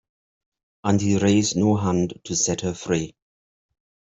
And he raised no hand to set her free.